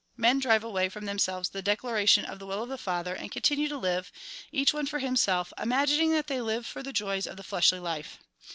(Men drive away from them selves the declaration of the will of the Father, and continue to live, each one for himself, imagining that they live for the joys of the flesbly life.)